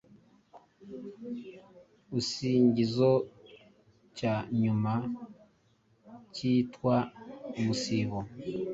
igisingizo cya nyuma cyikitwa umusibo